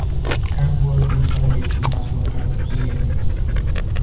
Her work in television has won her three Emmys.